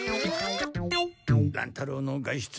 乱太郎の外出届は？